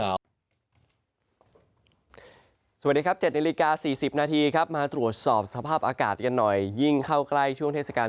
สวัสดีครับ๗นาฬิกา๔๐นาทีครับมาตรวจสอบสภาพอากาศกันหน่อยยิ่งเข้าใกล้ช่วงเทศกาล